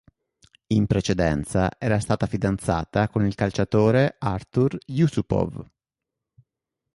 In precedenza era stata fidanzata con il calciatore Artur Jusupov.